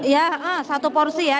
ya satu porsi ya